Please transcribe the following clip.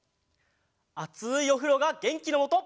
あついおふろがげんきのもと！